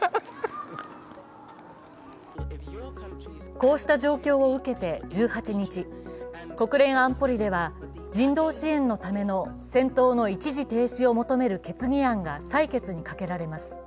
こうした状況を受けて１８日、国連安保理では人道支援のための戦闘の一時停止を求める決議案が採決にかけられます。